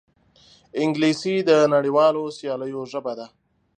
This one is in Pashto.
انګلیسي د نړیوالو سیالیو ژبه ده